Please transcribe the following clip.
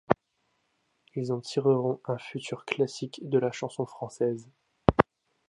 Ils en tireront un futur classique de la chanson française.